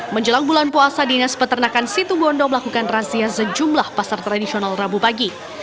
menjelang bulan puasa dinas peternakan situbondo melakukan razia sejumlah pasar tradisional rabu pagi